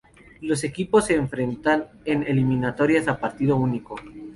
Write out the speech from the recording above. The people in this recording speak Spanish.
Los equipos se enfrentan en eliminatorias a partido único.